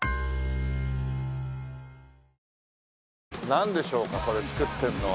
なんでしょうかこれ造ってるのは。